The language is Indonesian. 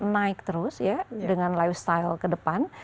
naik terus ya dengan lifestyle kedepan